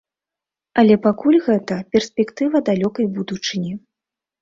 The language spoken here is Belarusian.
Але пакуль гэта перспектыва далёкай будучыні.